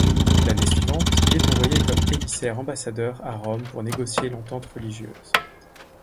L'année suivante, il est envoyé comme émissaire-ambassadeur à Rome pour négocier l'entente religieuse.